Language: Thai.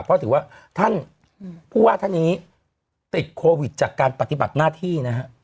เพราะถือว่าท่านผู้ว่าท่านนี้ติดโควิดจากการปฏิบัติหน้าที่นะฮะ